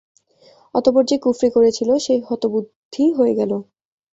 অতঃপর যে কুফরী করেছিল, সে হতবুদ্ধি হয়ে গেল।